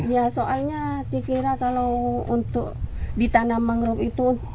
ya soalnya dikira kalau untuk ditanam mangrove itu